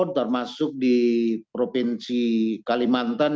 termasuk di provinsi kalimantan